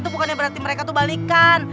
itu bukan yang berarti mereka tuh balikan